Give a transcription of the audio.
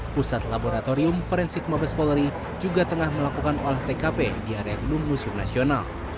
pusat laboratorium forensik mabes polri juga tengah melakukan olah tkp di area gedung museum nasional